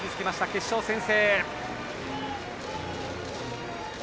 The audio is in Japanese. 決勝、先制。